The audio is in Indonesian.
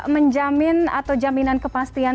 menjamin atau jaminan kepastian